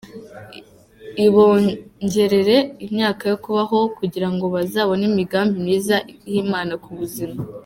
ibongerere imyaka yo kubaho kugira ngo bazabone imigambi myiza y'Imana ku buzima.